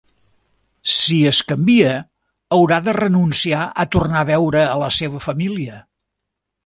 Si es canvia, haurà de renunciar a tornar a veure a la seva família.